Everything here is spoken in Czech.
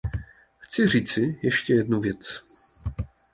Chci říci ještě jednu věc.